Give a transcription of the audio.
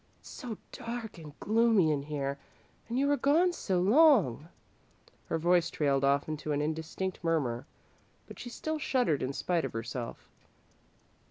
"It's so dark and gloomy in here, and you were gone so long " Her voice trailed off into an indistinct murmur, but she still shuddered in spite of herself.